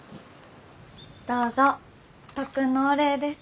どうぞ特訓のお礼です。